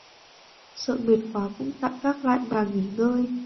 Sợ Mệt quá cũng tạm gác lại mà nghỉ ngơi